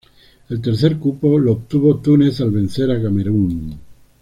El tercer cupo lo obtuvo Túnez al vencer a Camerún.